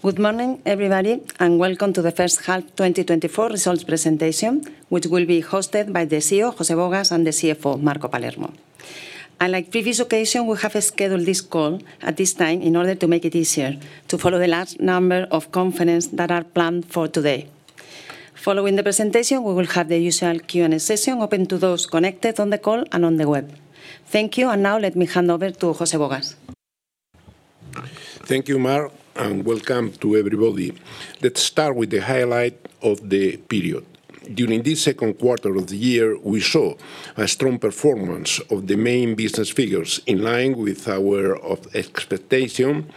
Good morning, everybody, and welcome to the First Half 2024 Results Presentation, which will be hosted by the CEO, José Bogas, and the CFO, Marco Palermo. Like previous occasions, we have scheduled this call at this time in order to make it easier to follow the last number of conference that are planned for today. Following the presentation, we will have the usual Q&A session open to those connected on the call and on the web. Thank you, and now let me hand over to José Bogas. Thank you, Mar, and welcome to everybody. Let's start with the highlight of the period. During this second quarter of the year, we saw a strong performance of the main business figures in line with our expectation,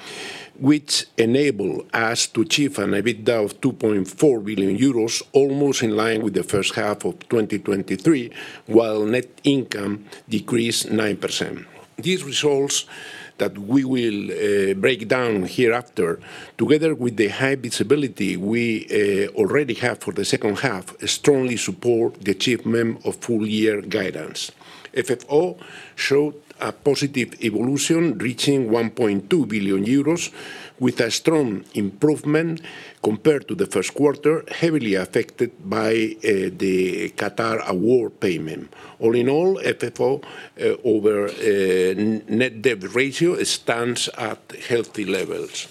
which enabled us to achieve an EBITDA of 2.4 billion euros, almost in line with the first half of 2023, while net income decreased 9%. These results that we will break down hereafter, together with the high visibility we already have for the second half, strongly support the achievement of full-year guidance. FFO showed a positive evolution reaching 1.2 billion euros, with a strong improvement compared to the first quarter, heavily affected by the Qatar award payment. All in all, FFO over net debt ratio stands at healthy levels.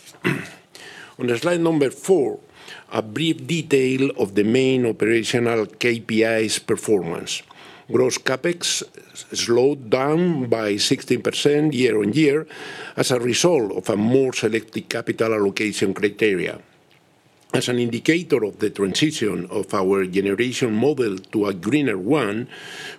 On slide number four, a brief detail of the main operational KPIs performance. Gross CapEx slowed down by 16% year-on-year as a result of a more selective capital allocation criteria. As an indicator of the transition of our generation model to a greener one,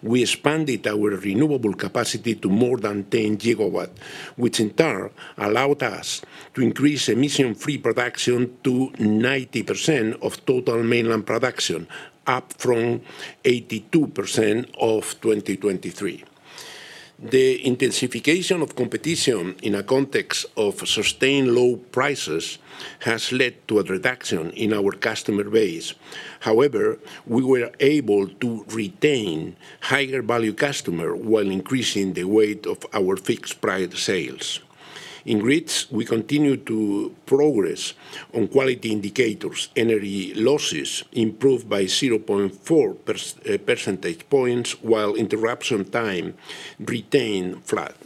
we expanded our renewable capacity to more than 10 GW, which in turn allowed us to increase emission-free production to 90% of total mainland production, up from 82% of 2023. The intensification of competition in a context of sustained low prices has led to a reduction in our customer base. However, we were able to retain higher-value customers while increasing the weight of our fixed-price sales. In grids, we continued to progress on quality indicators. Energy losses improved by 0.4 percentage points, while interruption time remained flat.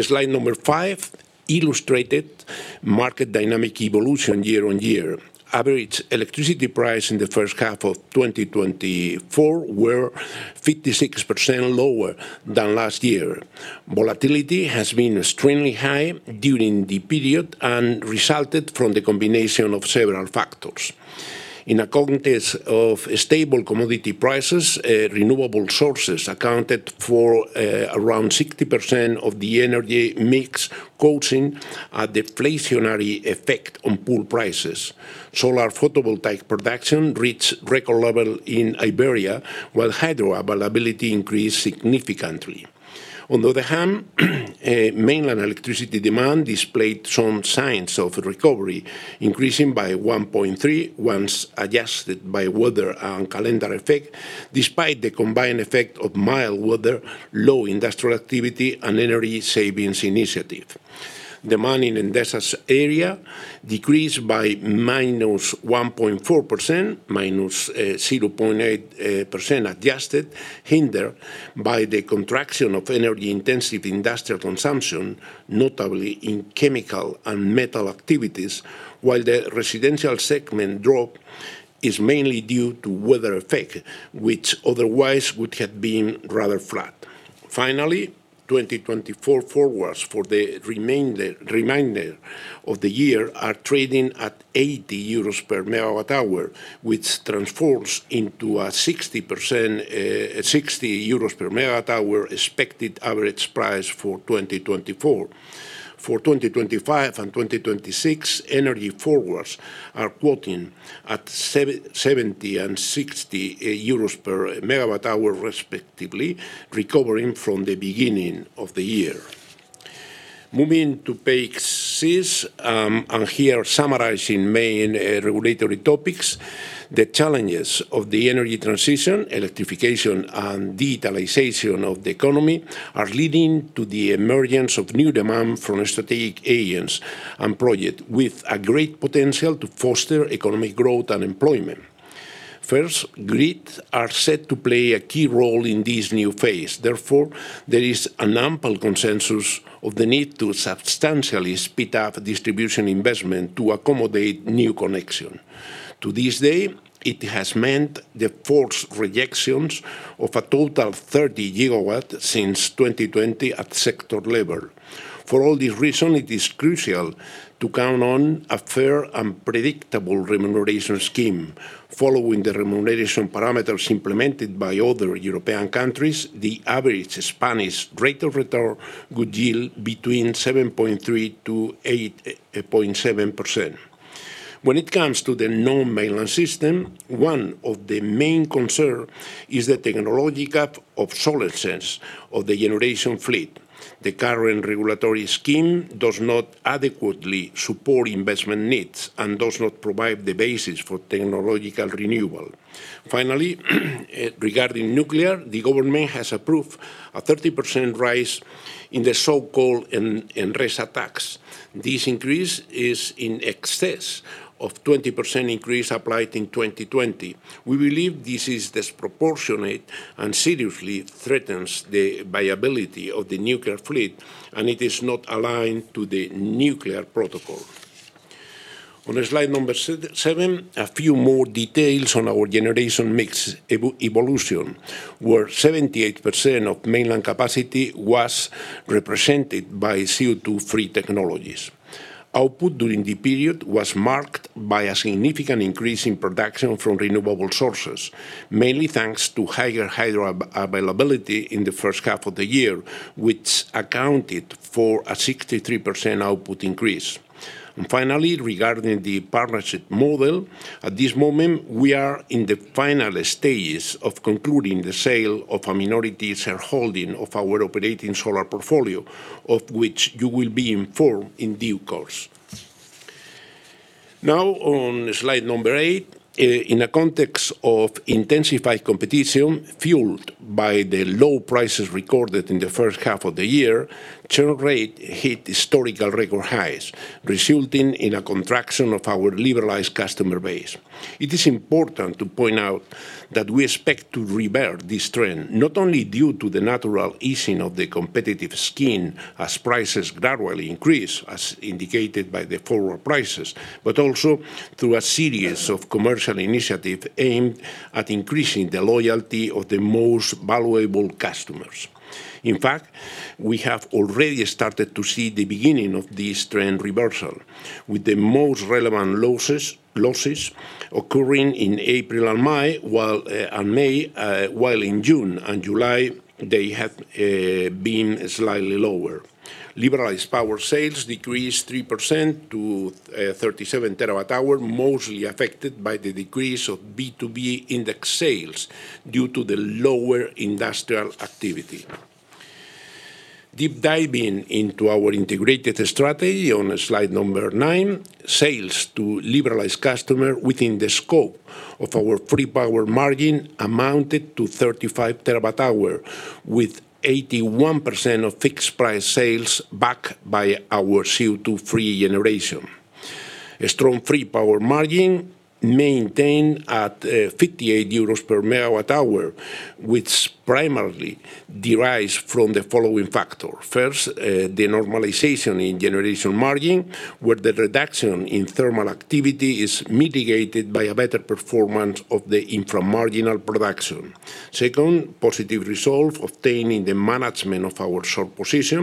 Slide five illustrated market dynamic evolution year-on-year. Average electricity price in the first half of 2024 was 56% lower than last year. Volatility has been extremely high during the period and resulted from the combination of several factors. In a context with stable commodity prices, renewable sources accounted for around 60% of the energy mix, causing a deflationary effect on pool prices. Solar photovoltaic production reached record levels in Iberia, while hydro availability increased significantly. On the other hand, mainland electricity demand displayed some signs of recovery, increasing by 1.3% once adjusted by weather and calendar effect, despite the combined effect of mild weather, low industrial activity, and energy savings initiative. Demand in Endesa's area decreased by -1.4%, -0.8% adjusted, hindered by the contraction of energy-intensive industrial consumption, notably in chemical and metal activities, while the residential segment drop is mainly due to weather effect, which otherwise would have been rather flat. Finally, 2024 forwards for the remainder of the year are trading at 80 euros per MWh, which transforms into a 60 per MWh expected average price for 2024. For 2025 and 2026, energy forwards are quoting at 70 and 60 euros per MWh, respectively, recovering from the beginning of the year. Moving to page six, and here summarizing main regulatory topics, the challenges of the energy transition, electrification, and digitalization of the economy are leading to the emergence of new demand from strategic agents and projects with a great potential to foster economic growth and employment. First, grids are set to play a key role in this new phase. Therefore, there is an ample consensus of the need to substantially speed up distribution investment to accommodate new connections. To this day, it has meant the forced rejections of a total of 30 GW since 2020 at sector level. For all these reasons, it is crucial to count on a fair and predictable remuneration scheme. Following the remuneration parameters implemented by other European countries, the average Spanish rate of return could yield between 7.3%-8.7%. When it comes to the non-mainland system, one of the main concerns is the technological obsolescence of the generation fleet. The current regulatory scheme does not adequately support investment needs and does not provide the basis for technological renewal. Finally, regarding nuclear, the government has approved a 30% rise in the so-called Enresa tax. This increase is in excess of the 20% increase applied in 2020. We believe this is disproportionate and seriously threatens the viability of the nuclear fleet, and it is not aligned to the nuclear protocol. On slide number seven, a few more details on our generation mix evolution, where 78% of mainland capacity was represented by CO2-free technologies. Output during the period was marked by a significant increase in production from renewable sources, mainly thanks to higher hydro availability in the first half of the year, which accounted for a 63% output increase. And finally, regarding the partnership model, at this moment, we are in the final stages of concluding the sale of a minority shareholding of our operating solar portfolio, of which you will be informed in due course. Now, on slide number eight, in a context of intensified competition fueled by the low prices recorded in the first half of the year, churn rate hit historical record highs, resulting in a contraction of our liberalized customer base. It is important to point out that we expect to revert this trend, not only due to the natural easing of the competitive scheme as prices gradually increase, as indicated by the forward prices, but also through a series of commercial initiatives aimed at increasing the loyalty of the most valuable customers. In fact, we have already started to see the beginning of this trend reversal, with the most relevant losses occurring in April and May, while in June and July they have been slightly lower. Liberalized power sales decreased 3% to 37 TWh, mostly affected by the decrease of B2B index sales due to the lower industrial activity. Deep diving into our integrated strategy on slide 9, sales to liberalized customers within the scope of our free power margin amounted to 35 TWh, with 81% of fixed-price sales backed by our CO2-free generation. A strong free power margin maintained at 58 euros per MWh, which primarily derives from the following factors. First, the normalization in generation margin, where the reduction in thermal activity is mitigated by a better performance of the inframarginal production. Second, positive results obtained in the management of our short position,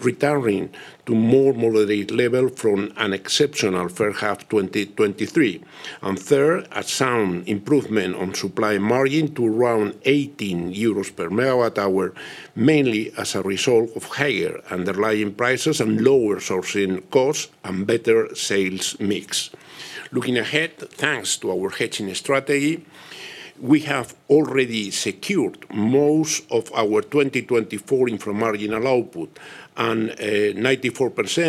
returning to more moderate levels from an exceptional first half of 2023. And third, a sound improvement on supply margin to around 18 euros per MWh, mainly as a result of higher underlying prices and lower sourcing costs and better sales mix. Looking ahead, thanks to our hedging strategy, we have already secured most of our 2024 inframarginal output, and 94%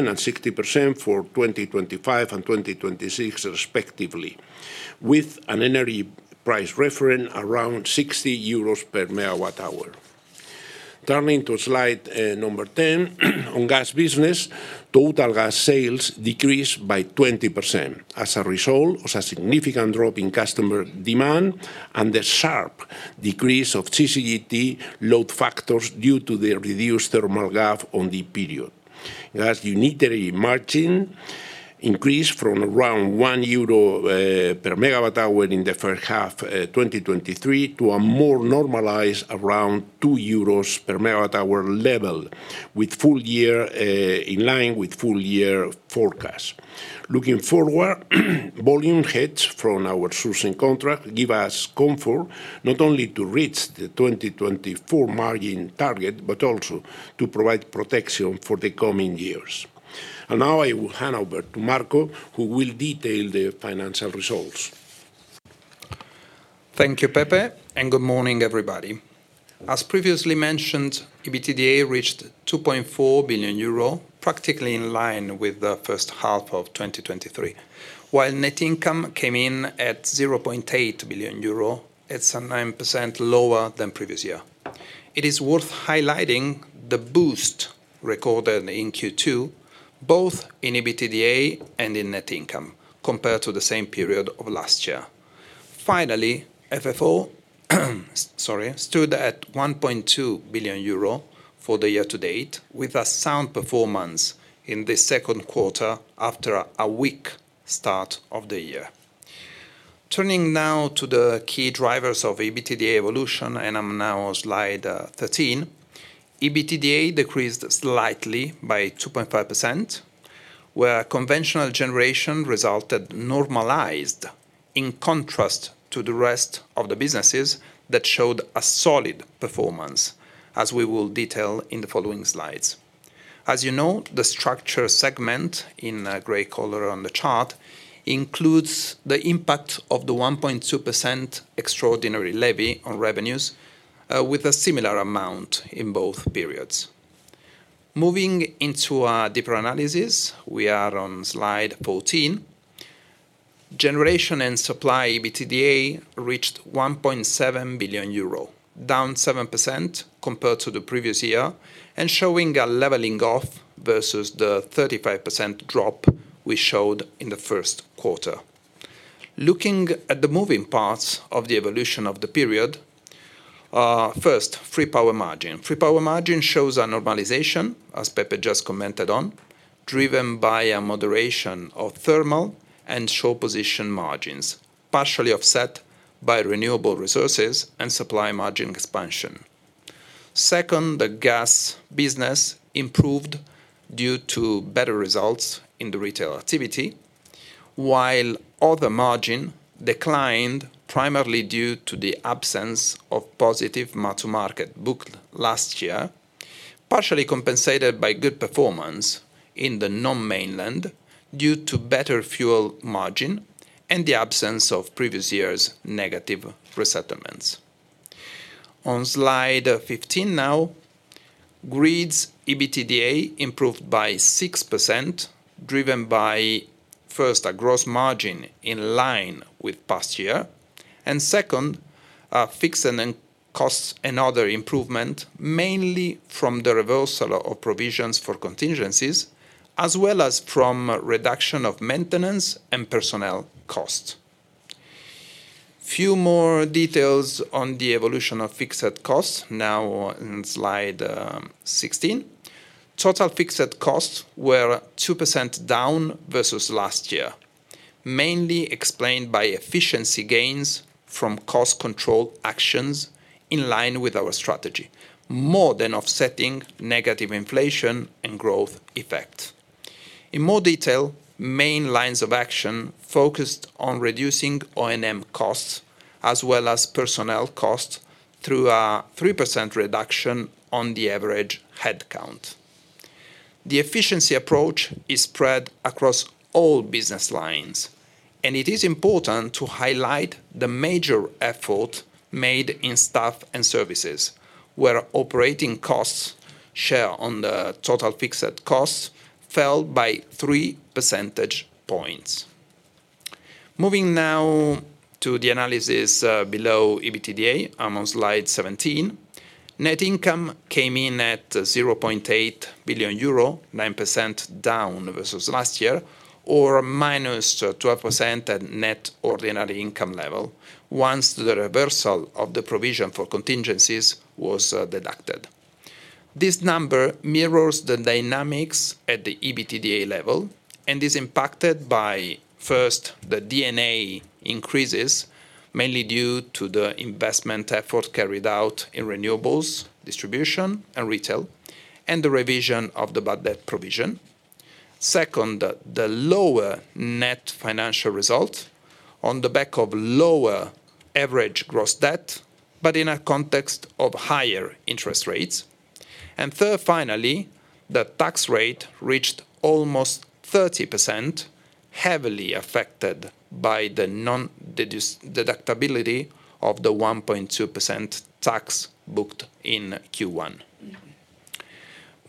and 60% for 2025 and 2026, respectively, with an energy price reference around 60 euros per MWh. Turning to slide number 10, on gas business, total gas sales decreased by 20% as a result of a significant drop in customer demand and the sharp decrease of CCGT load factors due to the reduced thermal gap on the period. Gas unitary margin increased from around 1 euro per MWh in the first half of 2023 to a more normalized around 2 euros per MWh level, in line with full-year forecasts. Looking forward, volume hedges from our sourcing contract give us comfort not only to reach the 2024 margin target, but also to provide protection for the coming years. And now I will hand over to Marco, who will detail the financial results. Thank you, Pepe, and good morning, everybody. As previously mentioned, EBITDA reached 2.4 billion euro, practically in line with the first half of 2023, while net income came in at 0.8 billion euro, that's 9% lower than previous year. It is worth highlighting the boost recorded in Q2, both in EBITDA and in net income, compared to the same period of last year. Finally, FFO stood at 1.2 billion euro for the year to date, with a sound performance in the second quarter after a weak start of the year. Turning now to the key drivers of EBITDA evolution, and I'm now on slide 13, EBITDA decreased slightly by 2.5%, where conventional generation resulted normalized in contrast to the rest of the businesses that showed a solid performance, as we will detail in the following slides. As you know, the structure segment in gray color on the chart includes the impact of the 1.2% extraordinary levy on revenues, with a similar amount in both periods. Moving into a deeper analysis, we are on slide 14. Generation and supply EBITDA reached 1.7 billion euro, down 7% compared to the previous year, and showing a leveling off versus the 35% drop we showed in the first quarter. Looking at the moving parts of the evolution of the period, first, free power margin. Free power margin shows a normalization, as Pepe just commented on, driven by a moderation of thermal and short position margins, partially offset by renewable resources and supply margin expansion. Second, the gas business improved due to better results in the retail activity, while other margin declined primarily due to the absence of positive mark-to-market booked last year, partially compensated by good performance in the non-mainland due to better fuel margin and the absence of previous year's negative resettlements. On slide 15 now, grids EBITDA improved by 6%, driven by first, a gross margin in line with past year, and second, fixed costs and other improvement, mainly from the reversal of provisions for contingencies, as well as from reduction of maintenance and personnel costs. Few more details on the evolution of fixed costs, now on slide 16. Total fixed costs were 2% down versus last year, mainly explained by efficiency gains from cost control actions in line with our strategy, more than offsetting negative inflation and growth effect. In more detail, main lines of action focused on reducing O&M costs as well as personnel costs through a 3% reduction on the average head count. The efficiency approach is spread across all business lines, and it is important to highlight the major effort made in staff and services, where operating costs share on the total fixed costs fell by 3 percentage points. Moving now to the analysis below EBITDA, I'm on slide 17. Net income came in at 0.8 billion euro, 9% down versus last year, or -12% at net ordinary income level, once the reversal of the provision for contingencies was deducted. This number mirrors the dynamics at the EBITDA level, and is impacted by, first, the D&A increases, mainly due to the investment effort carried out in renewables, distribution, and retail, and the revision of the bad debt provision. Second, the lower net financial result on the back of lower average gross debt, but in a context of higher interest rates. And third, finally, the tax rate reached almost 30%, heavily affected by the non-deductibility of the 1.2% tax booked in Q1.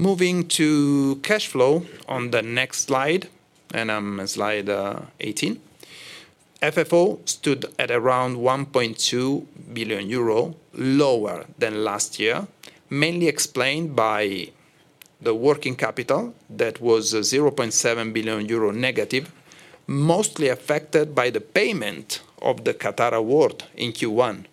Moving to cash flow on the next slide, and I'm on slide 18. FFO stood at around 1.2 billion euro, lower than last year, mainly explained by the working capital that was 0.7 billion euro negative, mostly affected by the payment of the Qatar award in Q1.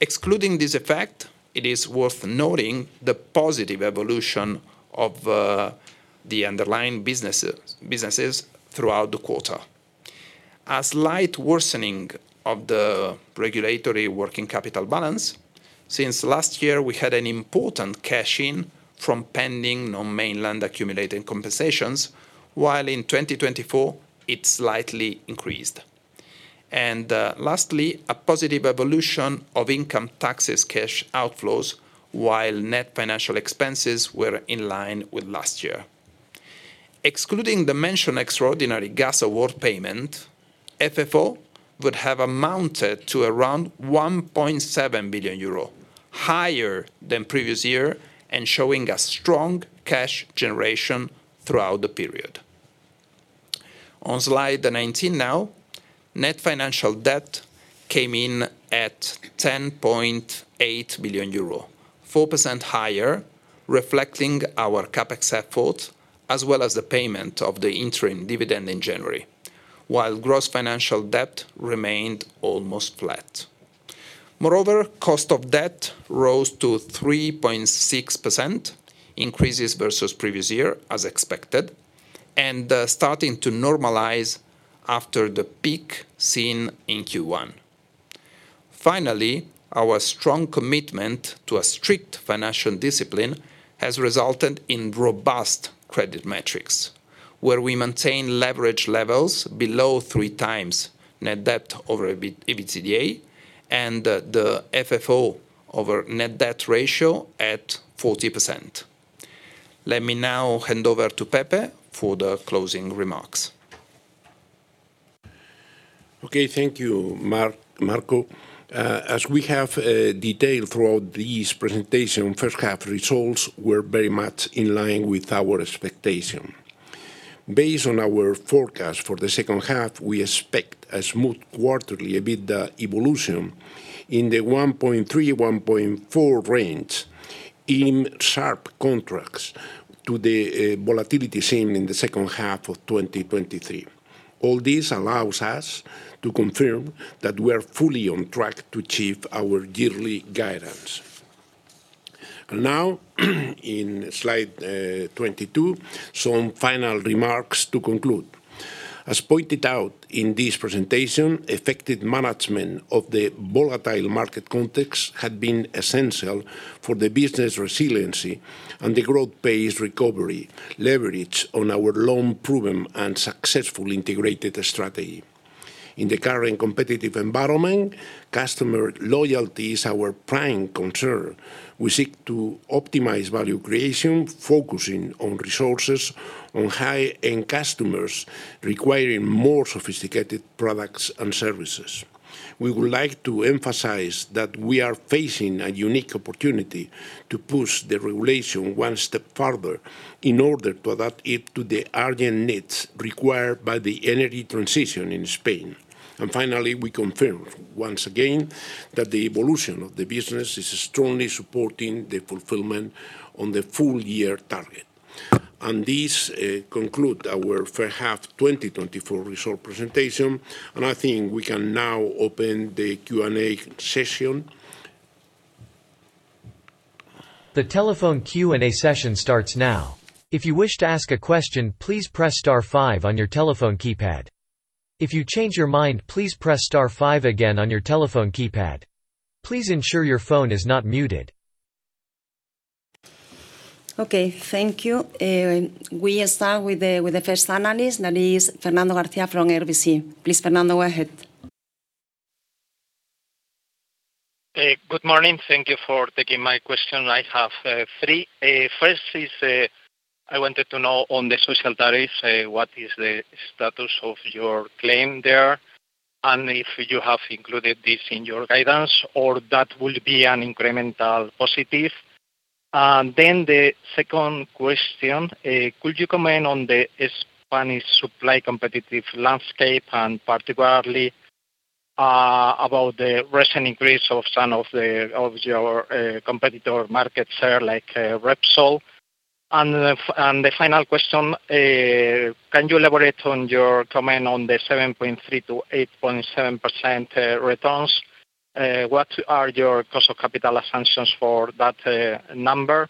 Excluding this effect, it is worth noting the positive evolution of the underlying businesses throughout the quarter. A slight worsening of the regulatory working capital balance. Since last year, we had an important cash in from pending non-mainland accumulating compensations, while in 2024, it slightly increased. And lastly, a positive evolution of income taxes cash outflows, while net financial expenses were in line with last year. Excluding the mentioned extraordinary gas award payment, FFO would have amounted to around 1.7 billion euro, higher than previous year, and showing a strong cash generation throughout the period. On slide 19 now, net financial debt came in at 10.8 billion euro, 4% higher, reflecting our CapEx effort, as well as the payment of the interim dividend in January, while gross financial debt remained almost flat. Moreover, cost of debt rose to 3.6%, increases versus previous year, as expected, and starting to normalize after the peak seen in Q1. Finally, our strong commitment to a strict financial discipline has resulted in robust credit metrics, where we maintain leverage levels below three times net debt over EBITDA and the FFO over net debt ratio at 40%. Let me now hand over to Pepe for the closing remarks. Okay, thank you, Marco. As we have detailed throughout this presentation, first half results were very much in line with our expectation. Based on our forecast for the second half, we expect a smooth quarterly EBITDA evolution in the 1.3-1.4 range in sharp contrast to the volatility seen in the second half of 2023. All this allows us to confirm that we are fully on track to achieve our yearly guidance. Now, in slide 22, some final remarks to conclude. As pointed out in this presentation, effective management of the volatile market context had been essential for the business resiliency and the growth pace recovery leveraged on our long-proven and successful integrated strategy. In the current competitive environment, customer loyalty is our prime concern. We seek to optimize value creation, focusing on resources on high-end customers requiring more sophisticated products and services. We would like to emphasize that we are facing a unique opportunity to push the regulation one step further in order to adapt it to the urgent needs required by the energy transition in Spain. Finally, we confirm once again that the evolution of the business is strongly supporting the fulfillment of the full-year target. This concludes our first half 2024 results presentation, and I think we can now open the Q&A session. The telephone Q&A session starts now. If you wish to ask a question, please press star five on your telephone keypad. If you change your mind, please press star five again on your telephone keypad. Please ensure your phone is not muted. Okay, thank you. We start with the first analyst, that is Fernando Garcia from RBC. Please, Fernando, go ahead. Good morning. Thank you for taking my question. I have three. First is, I wanted to know on the social tariffs, what is the status of your claim there and if you have included this in your guidance, or that will be an incremental positive. Then the second question, could you comment on the Spanish supply competitive landscape and particularly about the recent increase of some of your competitor markets there like Repsol? And the final question, can you elaborate on your comment on the 7.3%-8.7% returns? What are your cost of capital assumptions for that number?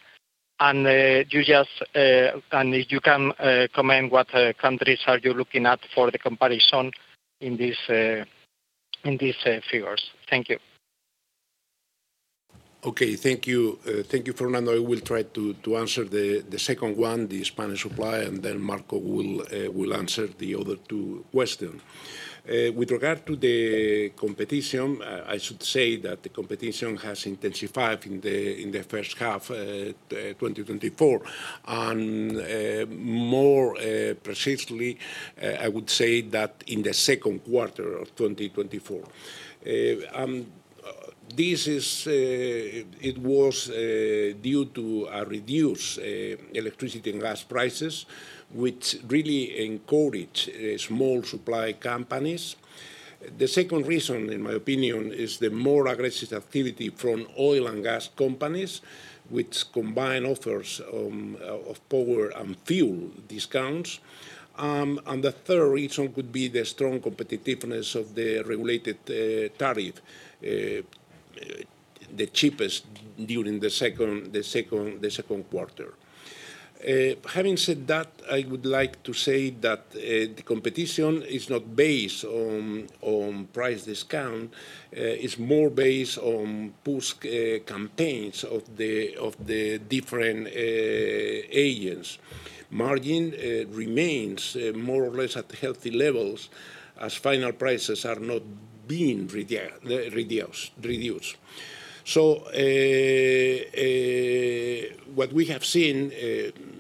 And if you can comment, what countries are you looking at for the comparison in these figures? Thank you. Okay, thank you. Thank you, Fernando. I will try to answer the second one, the Spanish supply, and then Marco will answer the other two questions. With regard to the competition, I should say that the competition has intensified in the first half 2024. And more precisely, I would say that in the second quarter of 2024. It was due to a reduced electricity and gas prices, which really encouraged small supply companies. The second reason, in my opinion, is the more aggressive activity from oil and gas companies, which combined offers of power and fuel discounts. And the third reason could be the strong competitiveness of the regulated tariff, the cheapest during the second quarter. Having said that, I would like to say that the competition is not based on price discount. It's more based on push campaigns of the different agents. Margins remain more or less at healthy levels as final prices are not being reduced. So what we have seen,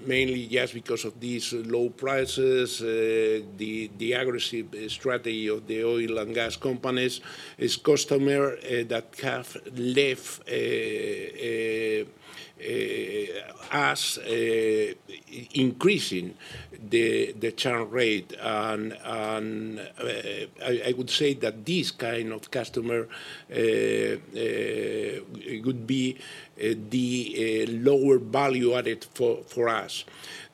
mainly just because of these low prices, the aggressive strategy of the oil and gas companies, is customers that have left us, increasing the churn rate. And I would say that this kind of customer could be the lower value added for us.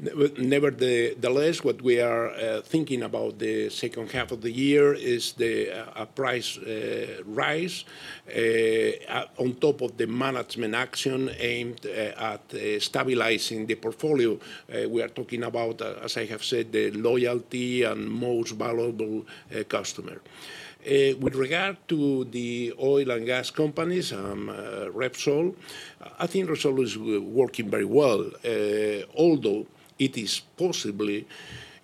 Nevertheless, what we are thinking about the second half of the year is a price rise on top of the management action aimed at stabilizing the portfolio. We are talking about, as I have said, the loyal and most valuable customer. With regard to the oil and gas companies, Repsol, I think Repsol is working very well, although it is possibly,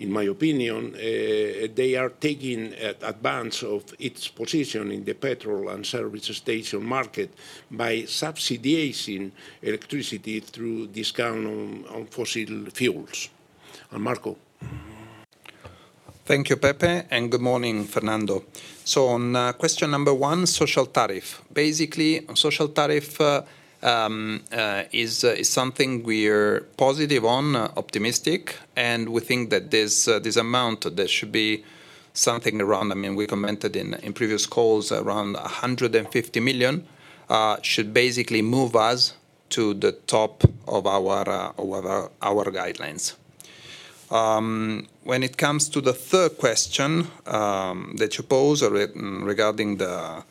in my opinion, they are taking advantage of its position in the petrol and service station market by subsidizing electricity through discounts on fossil fuels. And Marco. Thank you, Pepe, and good morning, Fernando. So on question number one, social tariff. Basically, social tariff is something we are positive on, optimistic, and we think that this amount, there should be something around, I mean, we commented in previous calls around 150 million, should basically move us to the top of our guidelines. When it comes to the third question that you posed regarding the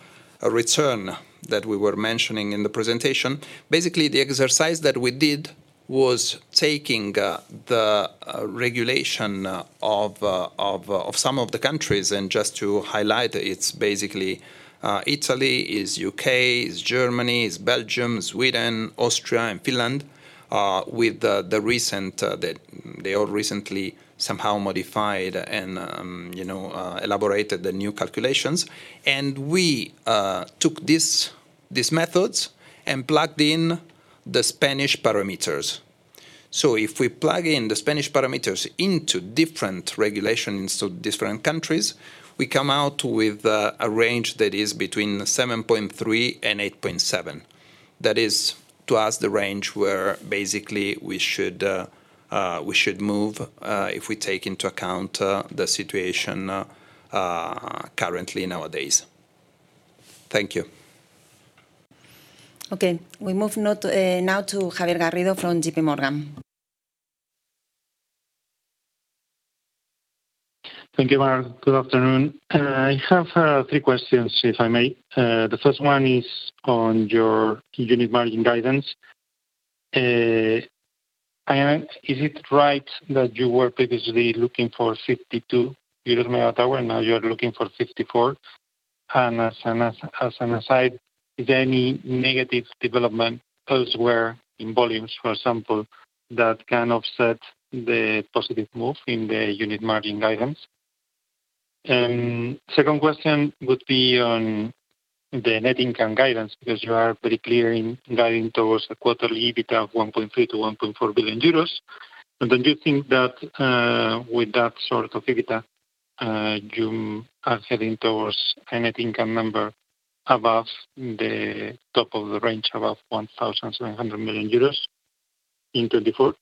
return that we were mentioning in the presentation, basically the exercise that we did was taking the regulation of some of the countries, and just to highlight, it's basically Italy, it's UK, it's Germany, it's Belgium, Sweden, Austria, and Finland with the recent, they all recently somehow modified and elaborated the new calculations. And we took these methods and plugged in the Spanish parameters. So if we plug in the Spanish parameters into different regulations in different countries, we come out with a range that is between 7.3 and 8.7. That is, to us, the range where basically we should move if we take into account the situation currently nowadays. Thank you. Okay, we move now to Javier Garrido from JPMorgan. Thank you, Mar. Good afternoon. I have three questions, if I may. The first one is on your unit margin guidance. Is it right that you were previously looking for 52 per MWh, and now you are looking for 54 MWh? And as an aside, is there any negative development elsewhere in volumes, for example, that can offset the positive move in the unit margin guidance? And the second question would be on the net income guidance, because you are very clear in guiding towards a quarterly EBITDA of 1.3 billion-1.4 billion euros. And then do you think that with that sort of EBITDA, you are heading towards a net income number above the top of the range above 1,700 million euros in 2024?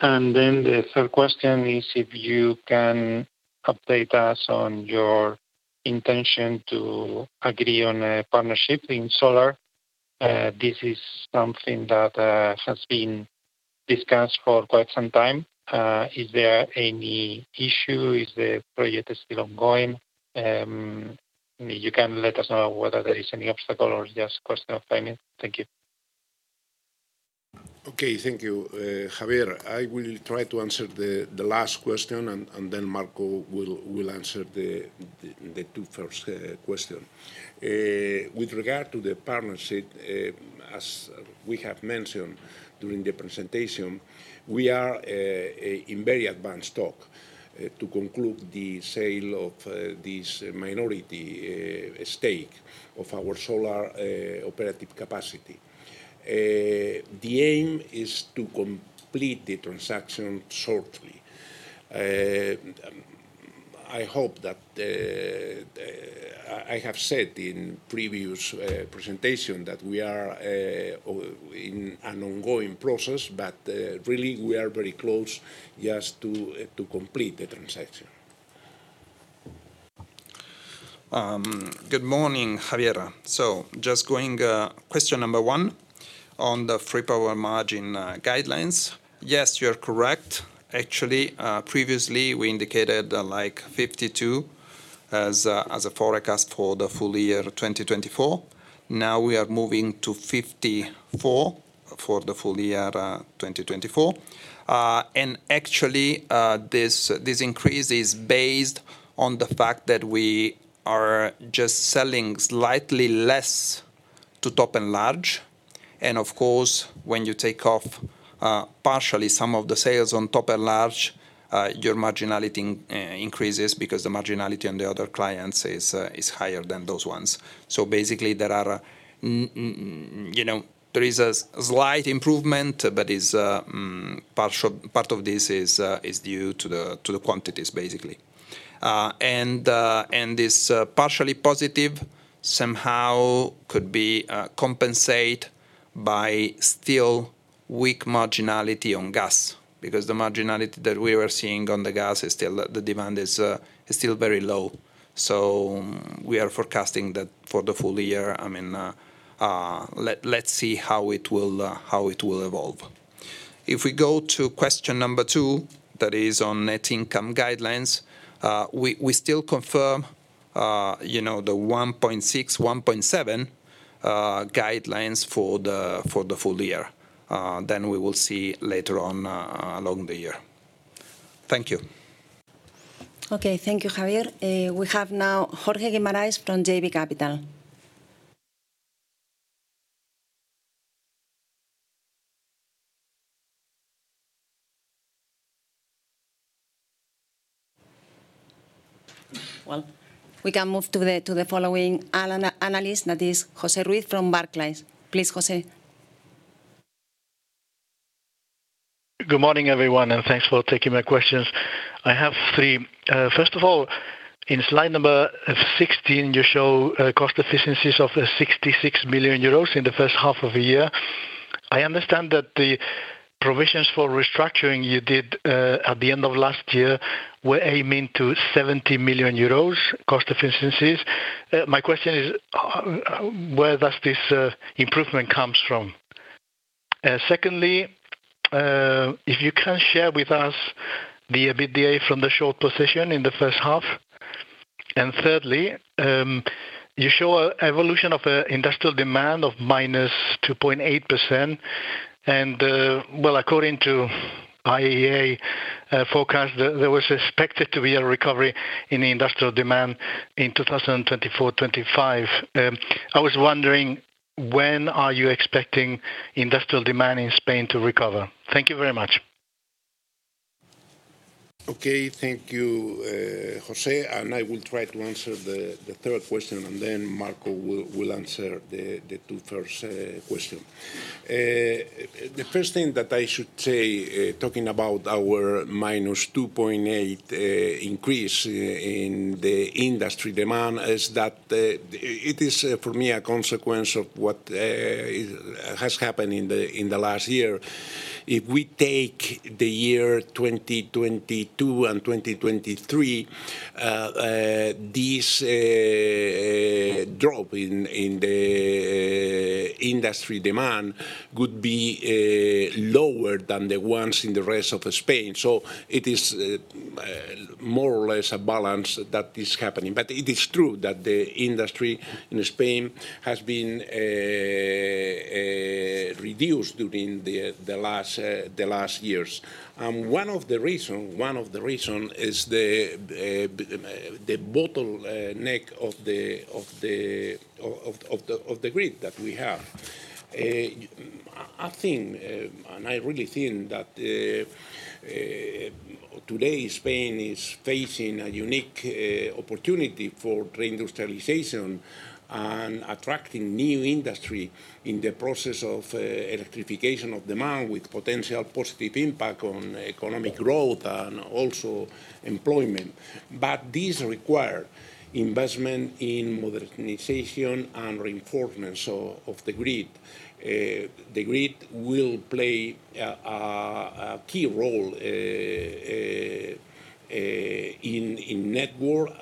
And then the third question is if you can update us on your intention to agree on a partnership in solar. This is something that has been discussed for quite some time. Is there any issue? Is the project still ongoing? You can let us know whether there is any obstacle or just a question of timing. Thank you. Okay, thank you. Javier, I will try to answer the last question, and then Marco will answer the two first questions. With regard to the partnership, as we have mentioned during the presentation, we are in very advanced talk to conclude the sale of this minority stake of our solar operative capacity. The aim is to complete the transaction shortly. I hope that I have said in previous presentations that we are in an ongoing process, but really we are very close just to complete the transaction. Good morning, Javier. So just going to question number one on the free power margin guidelines. Yes, you're correct. Actually, previously we indicated like 52 as a forecast for the full year 2024. Now we are moving to 54 for the full year 2024. And actually, this increase is based on the fact that we are just selling slightly less to top and large. And of course, when you take off partially some of the sales on top and large, your marginality increases because the marginality on the other clients is higher than those ones. So basically, there is a slight improvement, but part of this is due to the quantities, basically. And this partially positive somehow could be compensated by still weak marginality on gas, because the marginality that we were seeing on the gas is still, the demand is still very low. So we are forecasting that for the full year, I mean, let's see how it will evolve. If we go to question number two, that is on net income guidelines, we still confirm the 1.6-1.7 guidelines for the full year. Then we will see later on along the year. Thank you. Okay, thank you, Javier. We have now Jorge Guimarães from JB Capital. Well, we can move to the following analyst, that is Jose Ruiz from Barclays. Please, Jose. Good morning, everyone, and thanks for taking my questions. I have three. First of all, in slide number 16, you show cost efficiencies of 66 million euros in the first half of the year. I understand that the provisions for restructuring you did at the end of last year were aiming to 70 million euros cost efficiencies. My question is, where does this improvement come from? Secondly, if you can share with us the EBITDA from the short position in the first half. And thirdly, you show an evolution of industrial demand of -2.8%. Well, according to IEA forecast, there was expected to be a recovery in industrial demand in 2024-2025. I was wondering, when are you expecting industrial demand in Spain to recover? Thank you very much. Okay, thank you, Jose. And I will try to answer the third question, and then Marco will answer the two first questions. The first thing that I should say, talking about our -2.8 increase in the industry demand, is that it is for me a consequence of what has happened in the last year. If we take the year 2022 and 2023, this drop in the industry demand could be lower than the ones in the rest of Spain. So it is more or less a balance that is happening. But it is true that the industry in Spain has been reduced during the last years. And one of the reasons, one of the reasons is the bottleneck of the grid that we have. I think, and I really think that today Spain is facing a unique opportunity for reindustrialization and attracting new industry in the process of electrification of demand with potential positive impact on economic growth and also employment. But this requires investment in modernization and reinforcement of the grid. The grid will play a key role in network.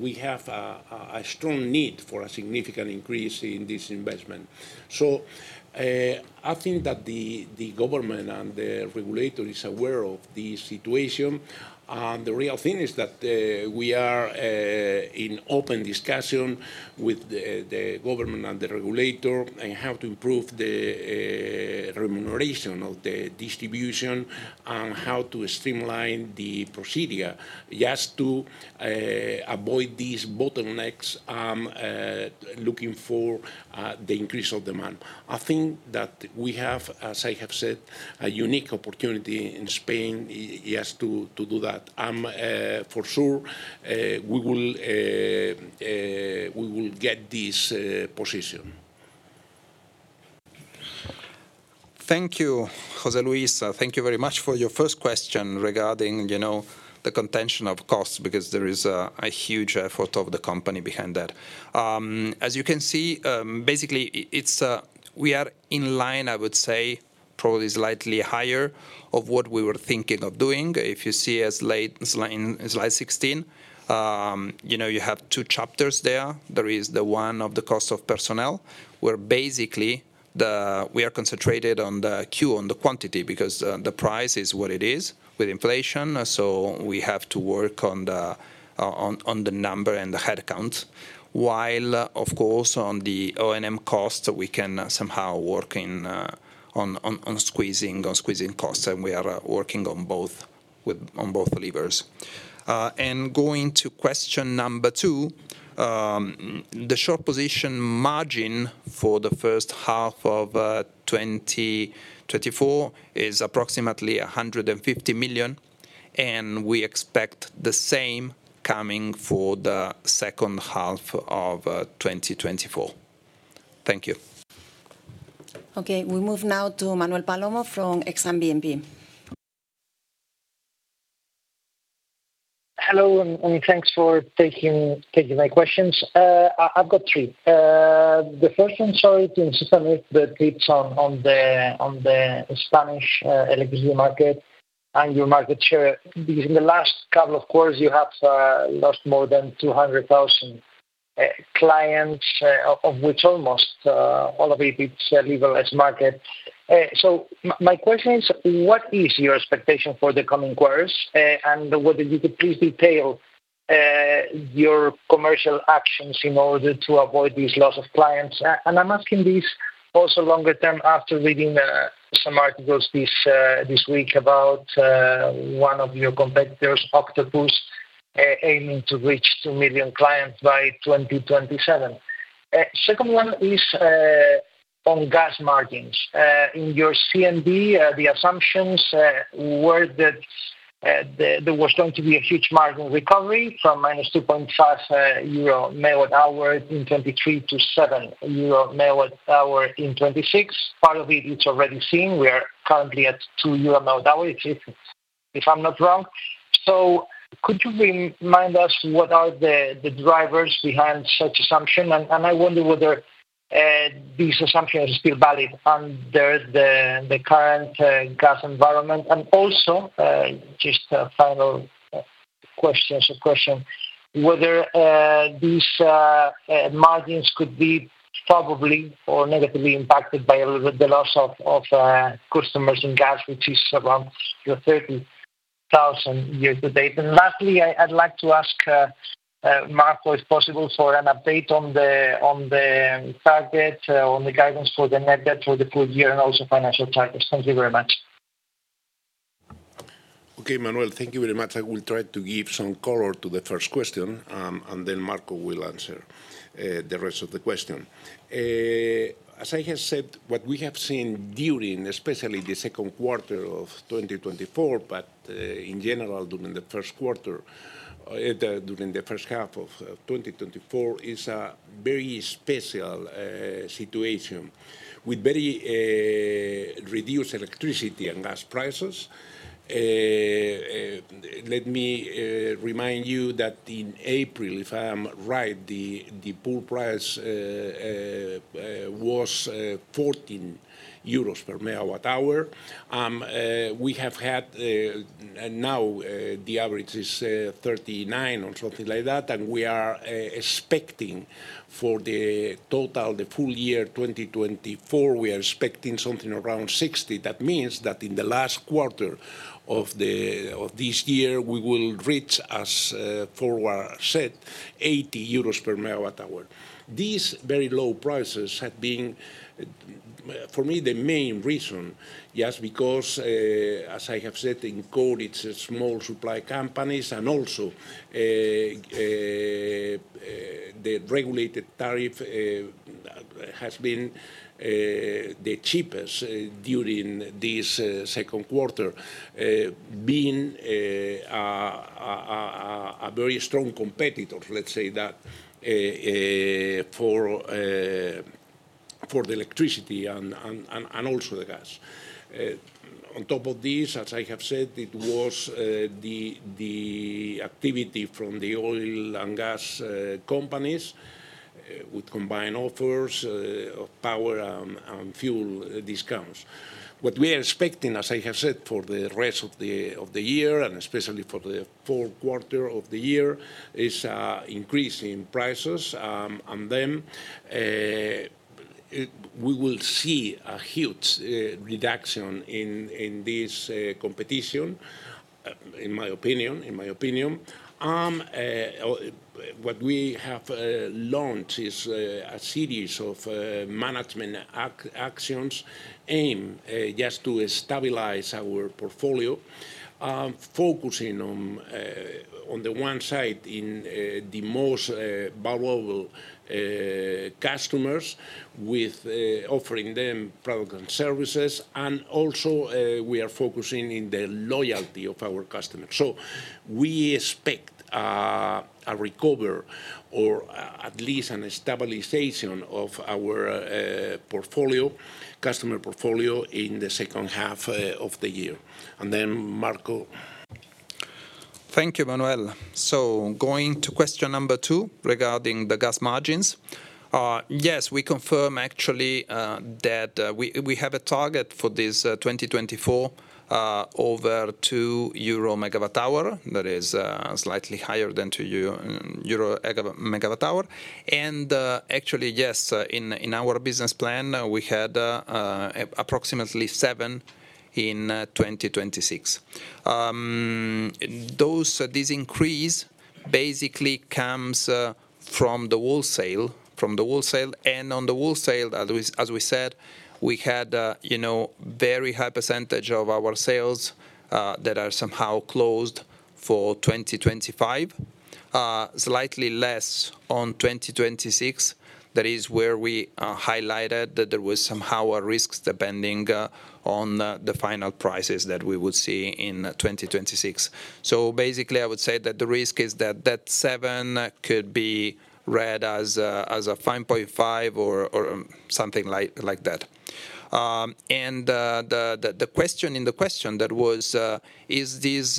We have a strong need for a significant increase in this investment. So I think that the government and the regulator is aware of the situation. And the real thing is that we are in open discussion with the government and the regulator on how to improve the remuneration of the distribution and how to streamline the procedure just to avoid these bottlenecks looking for the increase of demand. I think that we have, as I have said, a unique opportunity in Spain just to do that. For sure, we will get this position. Thank you, Jose Ruiz. Thank you very much for your first question regarding the containment of costs, because there is a huge effort of the company behind that. As you can see, basically, we are in line, I would say, probably slightly higher than what we were thinking of doing. If you see slide 16, you have two chapters there. There is the one of the cost of personnel, where basically we are concentrated on the headcount, on the quantity, because the price is what it is with inflation. So we have to work on the number and the headcount. While, of course, on the O&M costs, we can somehow work on squeezing costs. And we are working on both levers. And going to question number two, the short position margin for the first half of 2024 is approximately 150 million. We expect the same coming for the second half of 2024. Thank you. Okay, we move now to Manuel Palomo from Exane BNP. Hello, and thanks for taking my questions. I've got three. The first one, sorry to interrupt, but it's on the Spanish electricity market and your market share. In the last couple of quarters, you have lost more than 200,000 clients, of which almost all of it is leveraged market. So my question is, what is your expectation for the coming quarters? And would you please detail your commercial actions in order to avoid these loss of clients? And I'm asking this also longer term after reading some articles this week about one of your competitors, Octopus, aiming to reach 2 million clients by 2027. The second one is on gas margins. In your CMD, the assumptions were that there was going to be a huge margin recovery from minus 2.5 euro MWh in 2023 to 7 euro MWh in 2026. Part of it is already seen. We are currently at 2 euro MWh, if I'm not wrong. So could you remind us what are the drivers behind such assumption? And I wonder whether these assumptions are still valid under the current gas environment. And also, just a final question, whether these margins could be positively or negatively impacted by the loss of customers in gas, which is around 30,000 year-to-date. And lastly, I'd like to ask Marco, if possible, for an update on the target, on the guidance for the net debt for the full year and also financial targets. Thank you very much. Okay, Manuel, thank you very much. I will try to give some color to the first question, and then Marco will answer the rest of the question. As I have said, what we have seen during, especially the second quarter of 2024, but in general during the first quarter, during the first half of 2024, is a very special situation with very reduced electricity and gas prices. Let me remind you that in April, if I am right, the pool price was EUR 14 per MWh. We have had now the average is 39 or something like that. And we are expecting for the total, the full year 2024, we are expecting something around 60. That means that in the last quarter of this year, we will reach, as FORWARD said, 80 euros per MWh. These very low prices have been, for me, the main reason, just because, as I have said, in code, it's small supply companies. And also the regulated tariff has been the cheapest during this second quarter, being a very strong competitor, let's say, for the electricity and also the gas. On top of this, as I have said, it was the activity from the oil and gas companies with combined offers of power and fuel discounts. What we are expecting, as I have said, for the rest of the year, and especially for the fourth quarter of the year, is an increase in prices. And then we will see a huge reduction in this competition, in my opinion. What we have launched is a series of management actions aimed just to stabilize our portfolio, focusing on the one side in the most valuable customers with offering them products and services. Also we are focusing on the loyalty of our customers. We expect a recovery or at least a stabilization of our portfolio, customer portfolio in the second half of the year. Then Marco. Thank you, Manuel. So going to question number 2 regarding the gas margins. Yes, we confirm actually that we have a target for this 2024 over 2 euro MWh. That is slightly higher than 2 euro MWh. And actually, yes, in our business plan, we had approximately EUR 7 MWh in 2026. This increase basically comes from the wholesale, from the wholesale. And on the wholesale, as we said, we had a very high percentage of our sales that are somehow closed for 2025, slightly less on 2026. That is where we highlighted that there was somehow a risk depending on the final prices that we would see in 2026. So basically, I would say that the risk is that that 7 MWh could be read as a 5.5 MWh or something like that. The question in the question that was, is this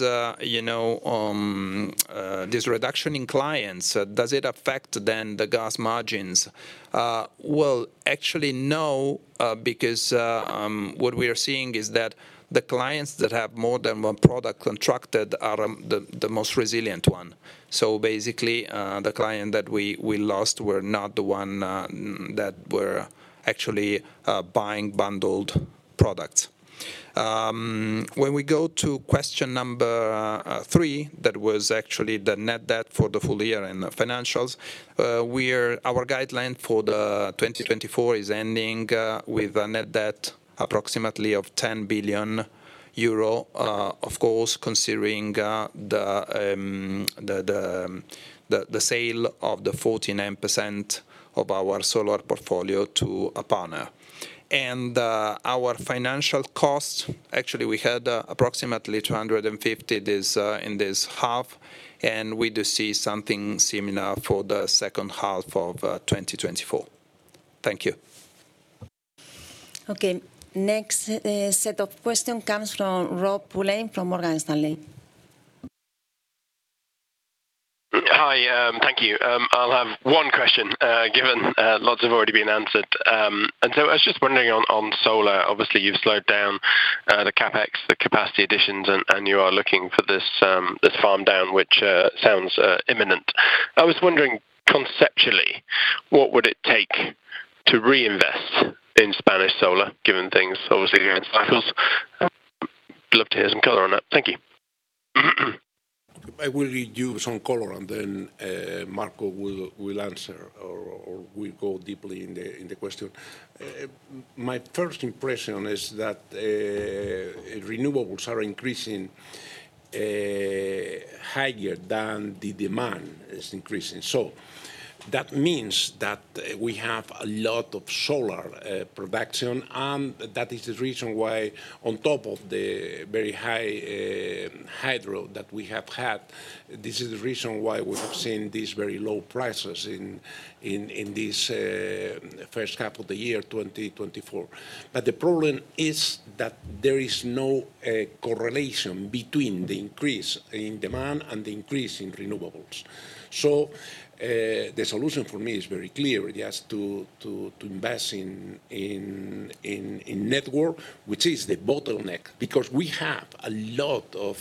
reduction in clients, does it affect then the gas margins? Well, actually, no, because what we are seeing is that the clients that have more than one product contracted are the most resilient one. So basically, the client that we lost were not the one that were actually buying bundled products. When we go to question number three, that was actually the net debt for the full year and the financials. Our guideline for 2024 is ending with a net debt approximately of 10 billion euro, of course, considering the sale of the 49% of our solar portfolio to a partner. And our financial costs, actually, we had approximately 250 in this half. And we do see something similar for the second half of 2024. Thank you. Okay, next set of questions comes from Rob Pulleyn from Morgan Stanley. Hi, thank you. I'll have one question, given lots have already been answered. And so I was just wondering on solar, obviously you've slowed down the CapEx, the capacity additions, and you are looking for this farm down, which sounds imminent. I was wondering conceptually, what would it take to reinvest in Spanish solar, given things obviously going south? I'd love to hear some color on that. Thank you. I will read you some color, and then Marco will answer or we'll go deeply into the question. My first impression is that renewables are increasing higher than the demand is increasing. So that means that we have a lot of solar production. And that is the reason why, on top of the very high hydro that we have had, this is the reason why we have seen these very low prices in this first half of the year 2024. But the problem is that there is no correlation between the increase in demand and the increase in renewables. So the solution for me is very clear. You have to invest in network, which is the bottleneck, because we have a lot of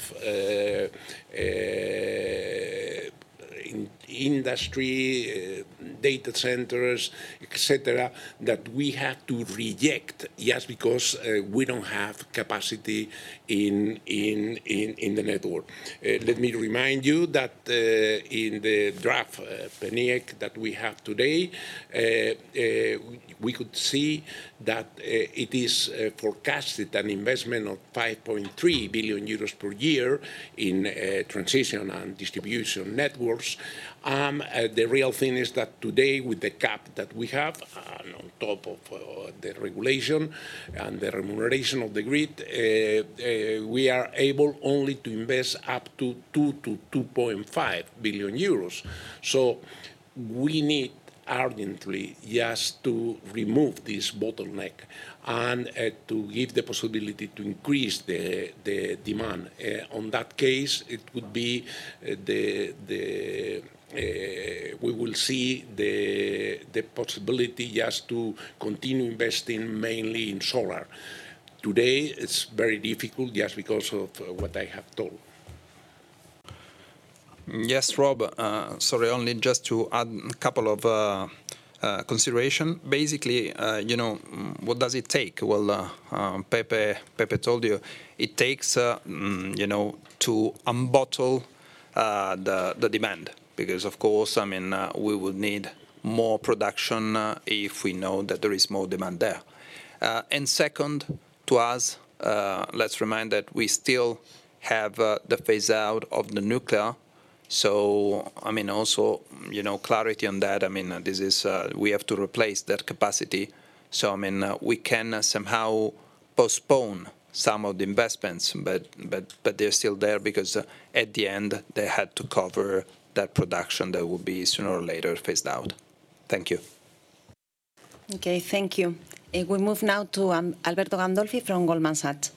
industry, data centers, et cetera, that we have to reject just because we don't have capacity in the network. Let me remind you that in the draft PNIEC that we have today, we could see that it is forecasted an investment of 5.3 billion euros per year in transition and distribution networks. The real thing is that today, with the cap that we have on top of the regulation and the remuneration of the grid, we are able only to invest up to 2 billion-2.5 billion euros. We need urgently just to remove this bottleneck and to give the possibility to increase the demand. On that case, it would be the we will see the possibility just to continue investing mainly in solar. Today, it's very difficult just because of what I have told. Yes, Rob. Sorry, only just to add a couple of considerations. Basically, what does it take? Well, Pepe told you it takes to unbottle the demand, because, of course, I mean, we would need more production if we know that there is more demand there. And second to us, let's remind that we still have the phase-out of the nuclear. So I mean, also clarity on that. I mean, we have to replace that capacity. So I mean, we can somehow postpone some of the investments, but they're still there because at the end, they had to cover that production that would be sooner or later phased out. Thank you. Okay, thank you. We move now to Alberto Gandolfi from Goldman Sachs.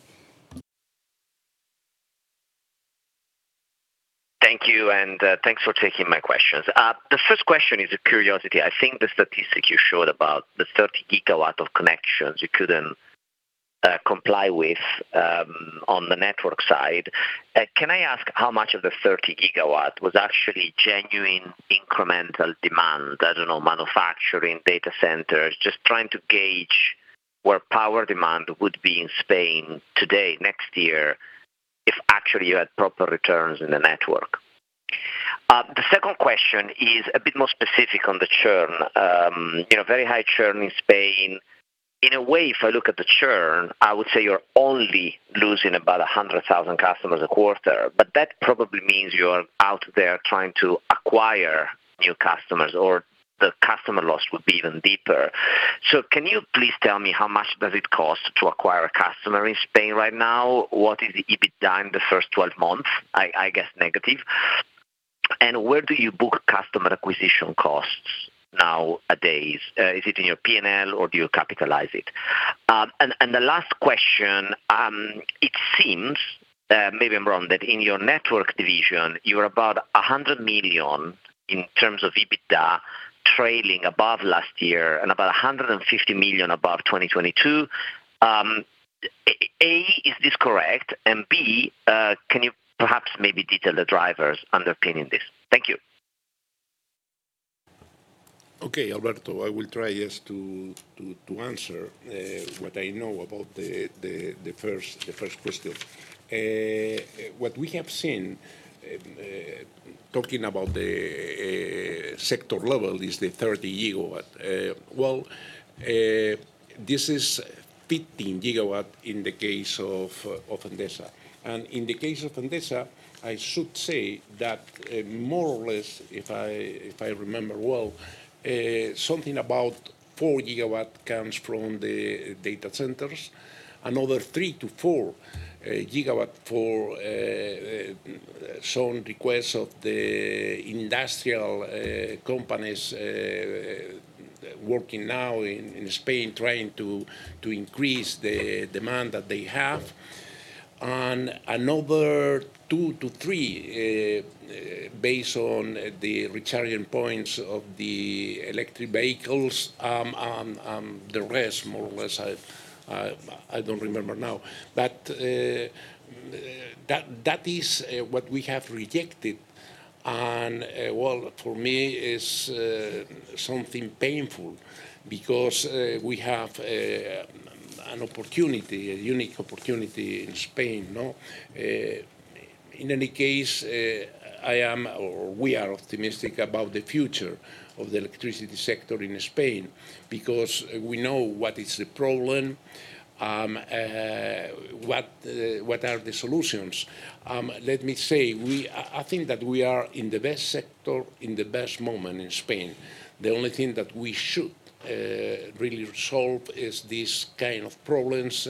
Thank you. Thanks for taking my questions. The first question is a curiosity. I think the statistic you showed about the 30 GW of connections you couldn't comply with on the network side. Can I ask how much of the 30 GW was actually genuine incremental demand? I don't know, manufacturing, data centers, just trying to gauge where power demand would be in Spain today, next year, if actually you had proper returns in the network. The second question is a bit more specific on the churn. Very high churn in Spain. In a way, if I look at the churn, I would say you're only losing about 100,000 customers a quarter. But that probably means you're out there trying to acquire new customers, or the customer loss would be even deeper. So can you please tell me how much does it cost to acquire a customer in Spain right now? What is the EBITDA in the first 12 months? I guess negative. And where do you book customer acquisition costs nowadays? Is it in your P&L, or do you capitalize it? And the last question, it seems, maybe I'm wrong, that in your network division, you're about 100 million in terms of EBITDA trailing above last year and about 150 million above 2022. A, is this correct? And B, can you perhaps maybe detail the drivers underpinning this? Thank you. Okay, Alberto, I will try just to answer what I know about the first question. What we have seen, talking about the sector level, is the 30 GW. Well, this is 15 GW in the case of Endesa. And in the case of Endesa, I should say that more or less, if I remember well, something about 4 GW comes from the data centers. Another 3-4 GW for some requests of the industrial companies working now in Spain, trying to increase the demand that they have. And another 2-3 GW, based on the returning points of the electric vehicles. The rest, more or less, I don't remember now. But that is what we have rejected. And well, for me, it's something painful because we have an opportunity, a unique opportunity in Spain. In any case, I am, or we are optimistic about the future of the electricity sector in Spain because we know what is the problem, what are the solutions. Let me say, I think that we are in the best sector in the best moment in Spain. The only thing that we should really resolve is these kind of problems,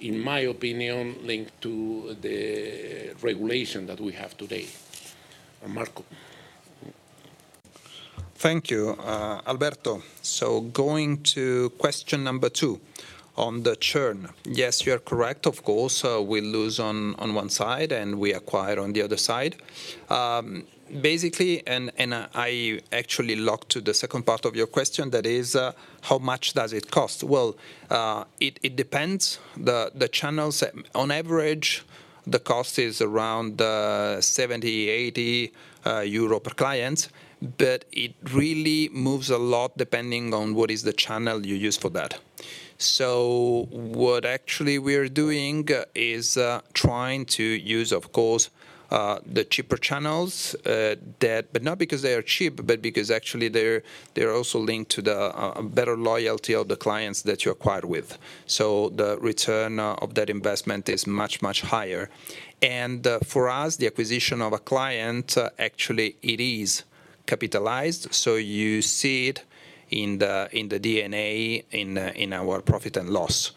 in my opinion, linked to the regulation that we have today. Marco. Thank you. Alberto, so going to question number two on the churn. Yes, you are correct, of course. We lose on one side and we acquire on the other side. Basically, and I actually look to the second part of your question, that is, how much does it cost? Well, it depends. The channels, on average, the cost is around 70-80 euro per client. But it really moves a lot depending on what is the channel you use for that. So what actually we are doing is trying to use, of course, the cheaper channels, but not because they are cheap, but because actually they're also linked to the better loyalty of the clients that you acquire with. So the return of that investment is much, much higher. And for us, the acquisition of a client, actually, it is capitalized. So you see it in the D&A, in our profit and loss.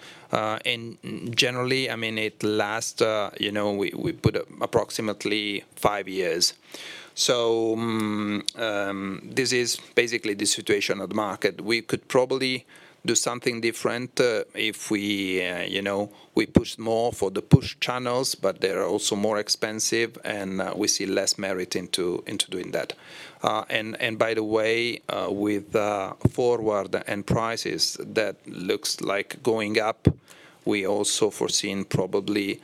Generally, I mean, it lasts, we put approximately five years. So this is basically the situation at the market. We could probably do something different if we pushed more for the push channels, but they're also more expensive and we see less merit into doing that. And by the way, with forward and prices that looks like going up, we also foreseen probably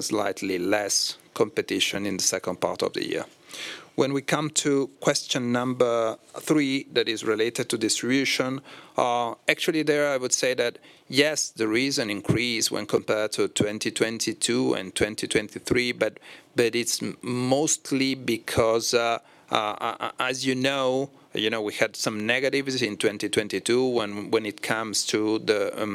slightly less competition in the second part of the year. When we come to question number three that is related to distribution, actually there, I would say that yes, there is an increase when compared to 2022 and 2023, but it's mostly because, as you know, we had some negatives in 2022 when it comes to the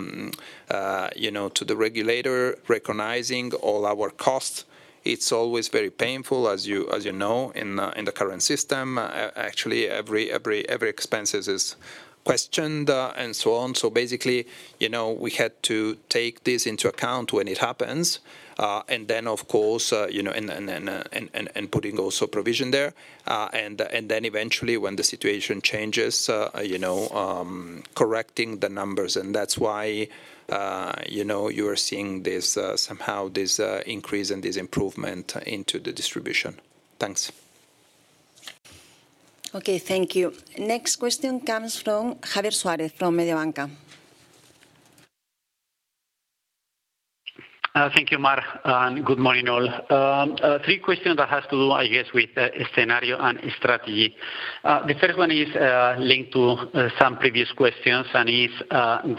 regulator recognizing all our costs. It's always very painful, as you know, in the current system. Actually, every expense is questioned and so on. So basically, we had to take this into account when it happens. And then, of course, and putting also provision there. And then eventually, when the situation changes, correcting the numbers. And that's why you are seeing somehow this increase and this improvement into the distribution. Thanks. Okay, thank you. Next question comes from Javier Suárez from Mediobanca. Thank you, Mar. And good morning, all. Three questions that have to do, I guess, with a scenario and strategy. The first one is linked to some previous questions and is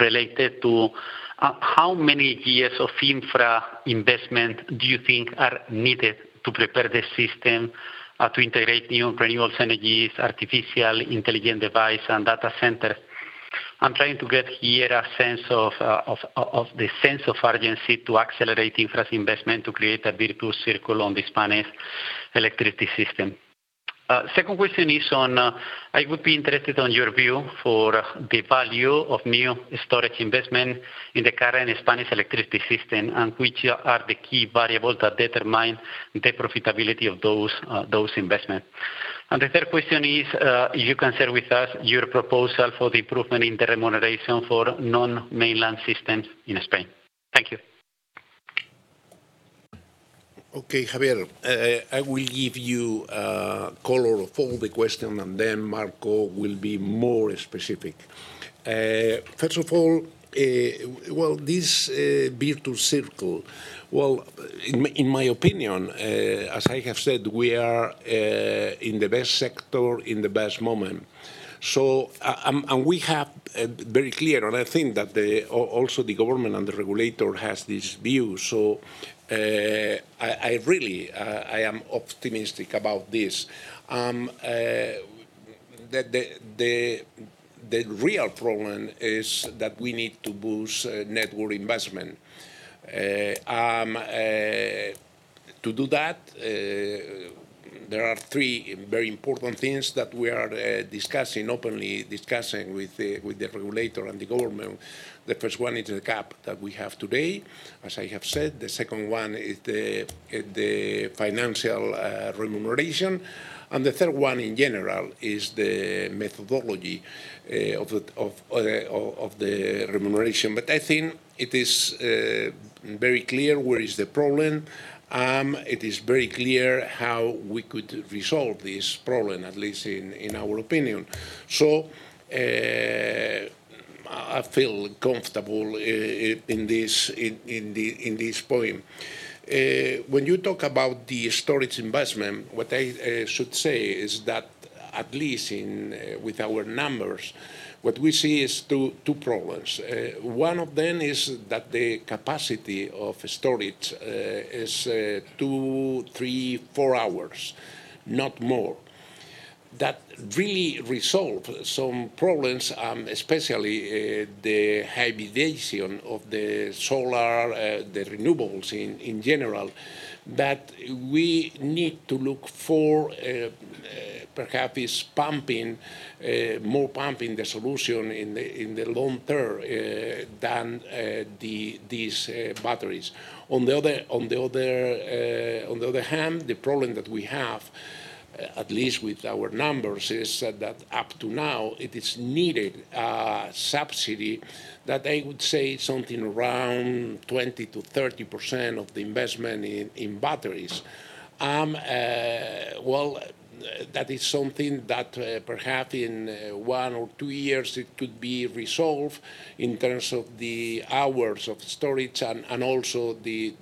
related to how many years of infra investment do you think are needed to prepare the system to integrate new renewable energies, artificial intelligent device, and data centers? I'm trying to get here a sense of the sense of urgency to accelerate infra investment to create a virtuous circle on the Spanish electricity system. Second question is on, I would be interested on your view for the value of new storage investment in the current Spanish electricity system, and which are the key variables that determine the profitability of those investments. And the third question is, if you can share with us your proposal for the improvement in the remuneration for non-mainland systems in Spain? Thank you. Okay, Javier, I will give you color on all the questions, and then Marco will be more specific. First of all, well, this [virtuous] circle, well, in my opinion, as I have said, we are in the best sector in the best moment. And we have very clear, and I think that also the government and the regulator has this view. So I really, I am optimistic about this. The real problem is that we need to boost network investment. To do that, there are three very important things that we are openly discussing with the regulator and the government. The first one is the cap that we have today, as I have said. The second one is the financial remuneration. And the third one, in general, is the methodology of the remuneration. But I think it is very clear where is the problem. It is very clear how we could resolve this problem, at least in our opinion. So I feel comfortable in this point. When you talk about the storage investment, what I should say is that at least with our numbers, what we see is two problems. One of them is that the capacity of storage is 2, 3, 4 hours, not more. That really resolves some problems, especially the hybridization of the solar, the renewables in general. But we need to look for perhaps more pumping as the solution in the long term than these batteries. On the other hand, the problem that we have, at least with our numbers, is that up to now, it is needed a subsidy that I would say something around 20%-30% of the investment in batteries. Well, that is something that perhaps in 1 or 2 years, it could be resolved in terms of the hours of storage and also the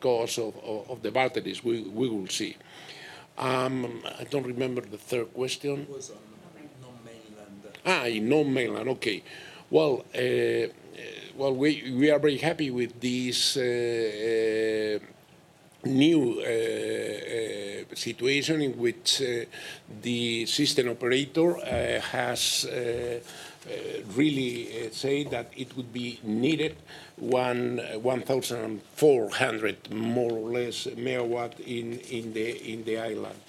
cost of the batteries we will see. I don't remember the third question. It was on non-mainland. Non-mainland. Okay. Well, we are very happy with this new situation in which the system operator has really said that it would be needed 1,400 more or less MW in the island.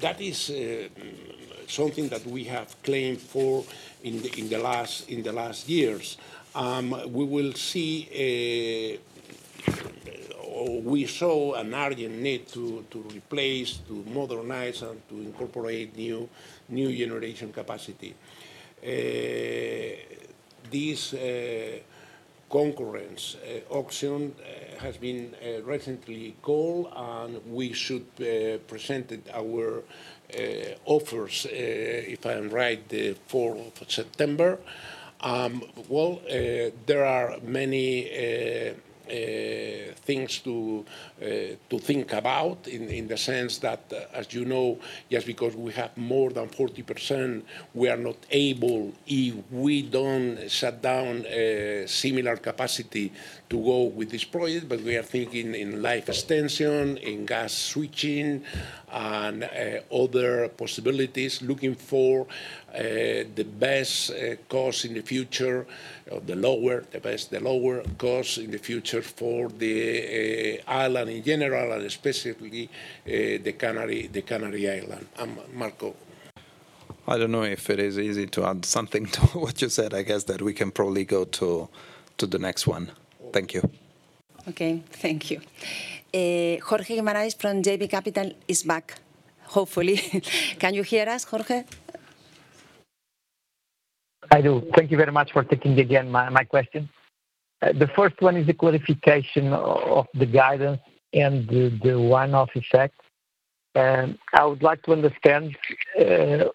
That is something that we have claimed for in the last years. We will see, or we saw an urgent need to replace, to modernize, and to incorporate new generation capacity. This concurrence auction has been recently called, and we should present our offers if I'm right, the 4th of September. Well, there are many things to think about in the sense that, as you know, just because we have more than 40%, we are not able, if we don't shut down similar capacity to go with this project, but we are thinking in life extension, in gas switching, and other possibilities, looking for the best cost in the future, the lower, the best, the lower cost in the future for the island in general, and especially the Canary Islands. Marco. I don't know if it is easy to add something to what you said, I guess, that we can probably go to the next one. Thank you. Okay, thank you. Jorge Guimarães from JB Capital is back, hopefully. Can you hear us, Jorge? I do. Thank you very much for taking again my question. The first one is the clarification of the guidance and the one-off effect. I would like to understand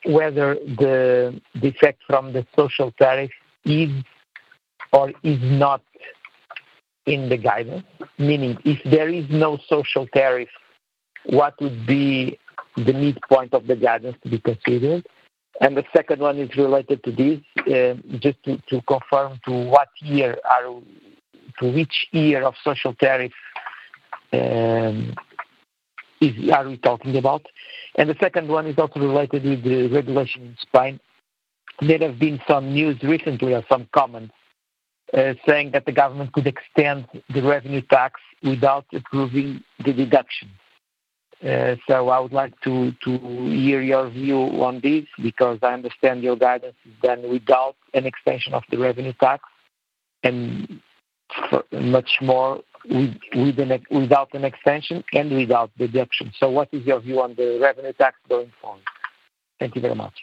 whether the effect from the social tariff is or is not in the guidance, meaning if there is no social tariff, what would be the midpoint of the guidance to be considered? And the second one is related to this, just to confirm to what year, to which year of social tariff are we talking about? And the second one is also related with the regulation in Spain. There have been some news recently or some comments saying that the government could extend the revenue tax without approving the deduction. I would like to hear your view on this because I understand your guidance is then without an extension of the revenue tax and much more without an extension and without deduction. What is your view on the revenue tax going forward? Thank you very much.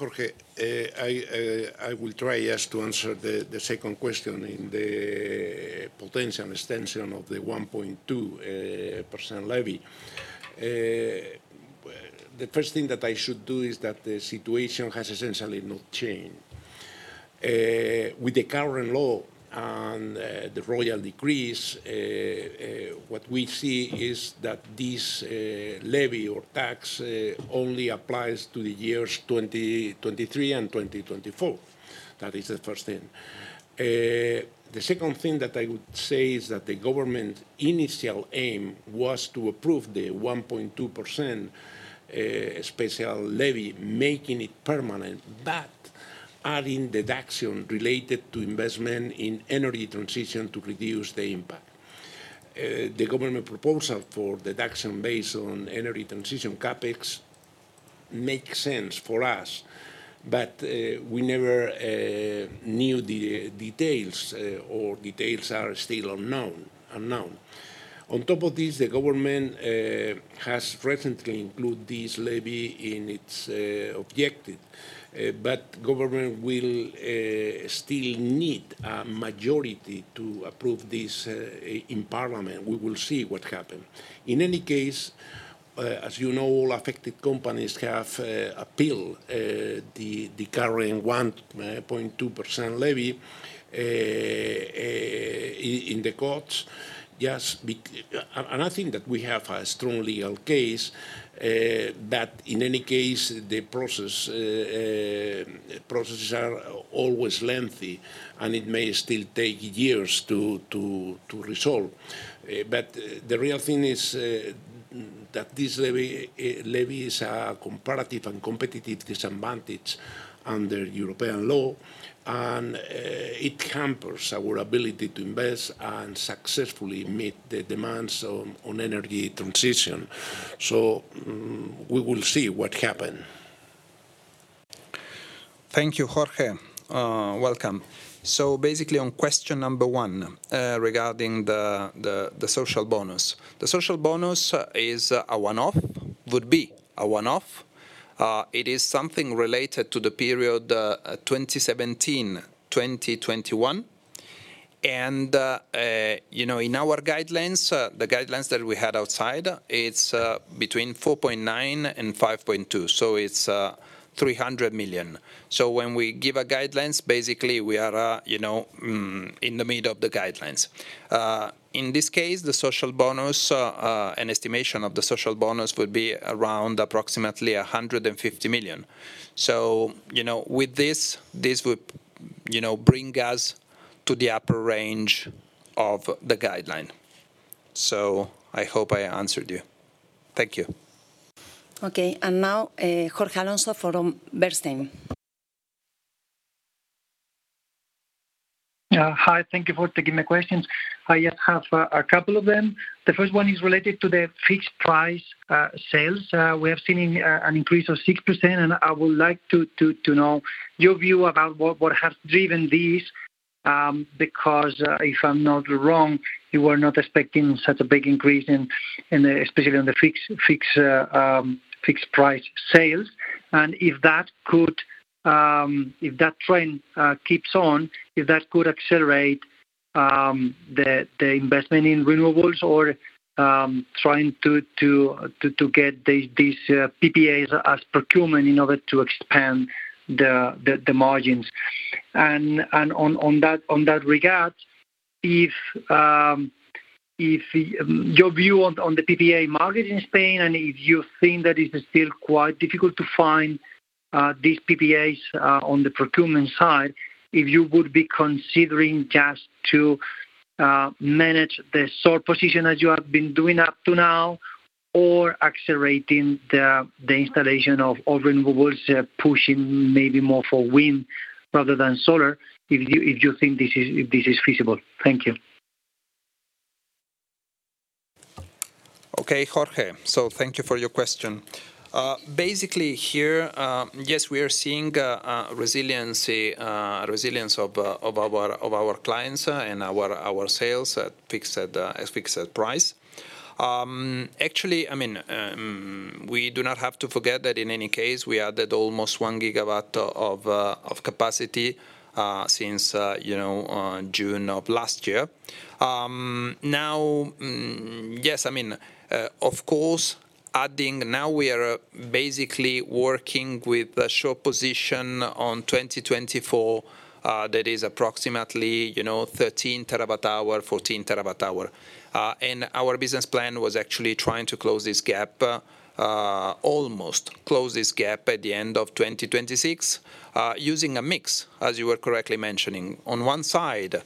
Jorge, I will try just to answer the second question in the potential extension of the 1.2% levy. The first thing that I should do is that the situation has essentially not changed. With the current law and the Royal Decree, what we see is that this levy or tax only applies to the years 2023 and 2024. That is the first thing. The second thing that I would say is that the government's initial aim was to approve the 1.2% special levy, making it permanent, but adding deduction related to investment in energy transition to reduce the impact. The government proposal for deduction based on energy transition CapEx makes sense for us, but we never knew the details or details are still unknown. On top of this, the government has recently included this levy in its objective, but the government will still need a majority to approve this in Parliament. We will see what happens. In any case, as you know, all affected companies have appealed the current 1.2% levy in the courts. I think that we have a strong legal case, but in any case, the processes are always lengthy and it may still take years to resolve. The real thing is that this levy is a comparative and competitive disadvantage under European law, and it hampers our ability to invest and successfully meet the demands on energy transition. We will see what happens. Thank you, Jorge. Welcome. So basically on question number one regarding the Social Bonus. The Social Bonus is a one-off, would be a one-off. It is something related to the period 2017-2021. And in our guidelines, the guidelines that we had [outlined], it's between 4.9 and 5.2. So it's 300 million. So when we give a guidelines, basically we are in the middle of the guidelines. In this case, the Social Bonus, an estimation of the Social Bonus would be around approximately 150 million. So with this, this would bring us to the upper range of the guideline. So I hope I answered you. Thank you. Okay. Now, Jorge Alonso from Bernstein. Hi, thank you for taking my questions. I just have a couple of them. The first one is related to the fixed price sales. We have seen an increase of 6%, and I would like to know your view about what has driven this, because if I'm not wrong, you were not expecting such a big increase in, especially on the fixed price sales. And if that trend keeps on, if that could accelerate the investment in renewables or trying to get these PPAs as procurement in order to expand the margins. In that regard, if your view on the PPA market in Spain, and if you think that it's still quite difficult to find these PPAs on the procurement side, if you would be considering just to manage the [short] position as you have been doing up to now, or accelerating the installation of renewables, pushing maybe more for wind rather than solar, if you think this is feasible? Thank you. Okay, Jorge. So thank you for your question. Basically here, yes, we are seeing resiliency of our clients and our sales at fixed price. Actually, I mean, we do not have to forget that in any case, we added almost 1 GW of capacity since June of last year. Now, yes, I mean, of course, adding, now we are basically working with a short position on 2024 that is approximately 13 TWh, 14 TWh. And our business plan was actually trying to close this gap, almost close this gap at the end of 2026, using a mix, as you were correctly mentioning, on one side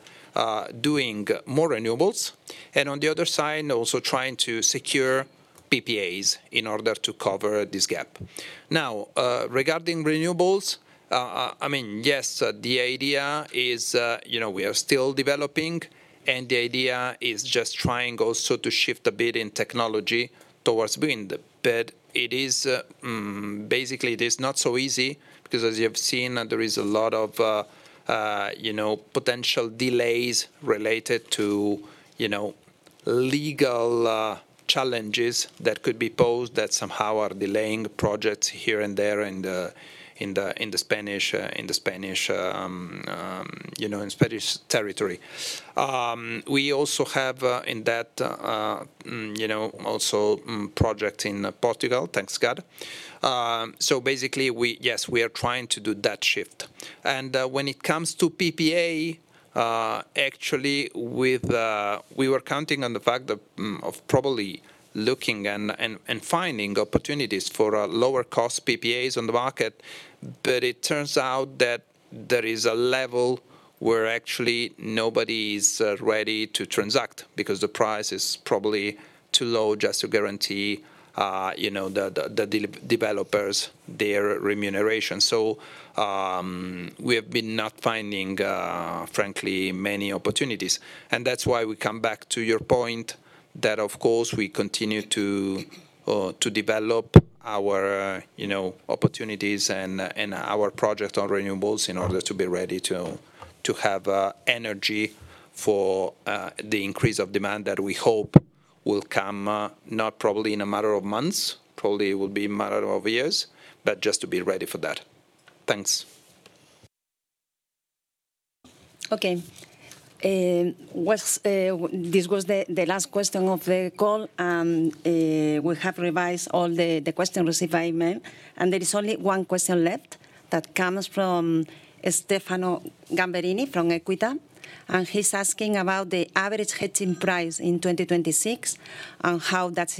doing more renewables, and on the other side, also trying to secure PPAs in order to cover this gap. Now, regarding renewables, I mean, yes, the idea is we are still developing, and the idea is just trying also to shift a bit in technology towards wind. But basically, it is not so easy because, as you have seen, there is a lot of potential delays related to legal challenges that could be posed that somehow are delaying projects here and there in the Spanish territory. We also have in that also project in Portugal, thank God. So basically, yes, we are trying to do that shift. And when it comes to PPA, actually, we were counting on the fact of probably looking and finding opportunities for lower cost PPAs on the market, but it turns out that there is a level where actually nobody is ready to transact because the price is probably too low just to guarantee the developers their remuneration. So we have been not finding, frankly, many opportunities. And that's why we come back to your point that, of course, we continue to develop our opportunities and our project on renewables in order to be ready to have energy for the increase of demand that we hope will come not probably in a matter of months, probably it will be a matter of years, but just to be ready for that. Thanks. Okay. This was the last question of the call, and we have revised all the questions received by email. There is only one question left that comes from Stefano Gamberini from EQUITA, and he's asking about the average hedging price in 2026 and how that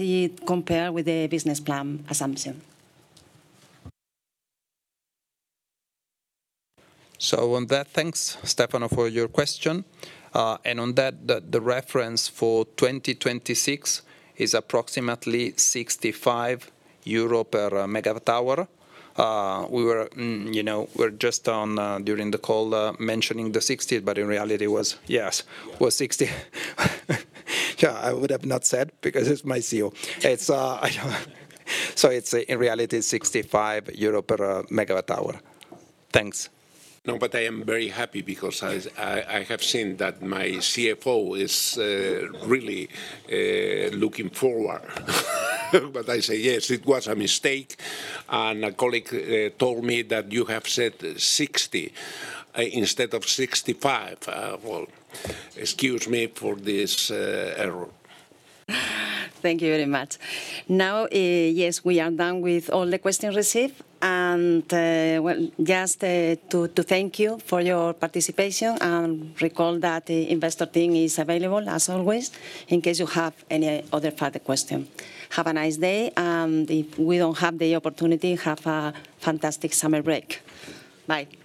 compares with the business plan assumption. So on that, thanks, Stefano, for your question. And on that, the reference for 2026 is approximately EUR 65 per MWh. We were just during the call mentioning the 60 MWh, but in reality, yes, it was 60 MWh. Yeah, I would have not said because it's my [CEO]. So it's in reality 65 euro per MWh. Thanks. No, but I am very happy because I have seen that my CFO is really looking forward. But I say, yes, it was a mistake. And a colleague told me that you have said 60 MWh instead of 65 MWh. Well, excuse me for this error. Thank you very much. Now, yes, we are done with all the questions received. Just to thank you for your participation, and recall that the investor [team] is available as always in case you have any other further questions. Have a nice day, and if we don't have the opportunity, have a fantastic summer break. Bye.